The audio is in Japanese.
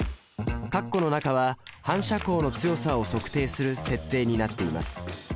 括弧の中は反射光の強さを測定する設定になっています。